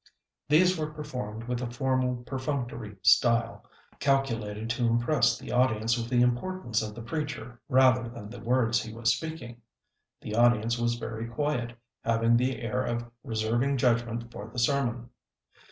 These were performed with a formal, perfunctory style calculated to impress the audience with the importance of the preacher rather than the words he was speaking. The audience was very quiet, having the air of reserving judgment for the sermon.